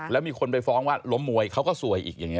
แล้วมีคนไปฟ้องว่าล้มมวยเขาก็สวยอีกอย่างนี้